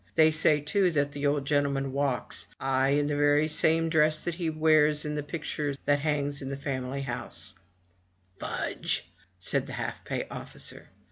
They say, too, the old gentleman walks; aye, and in the very same dress that he wears in the picture that hangs up in the family house/* "Fudge!'' said the half pay officer.